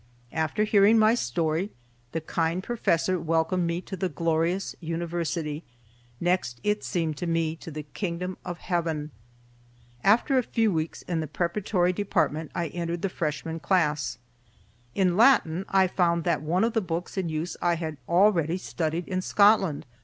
After hearing my story, the kind professor welcomed me to the glorious University—next, it seemed to me, to the Kingdom of Heaven. After a few weeks in the preparatory department I entered the Freshman class. In Latin I found that one of the books in use I had already studied in Scotland.